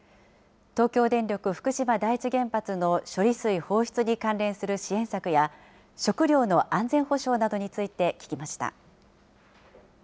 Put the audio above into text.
東京電力福島第一原発の処理水放出に関連する支援策や、食料の安全保障などについて聞きました。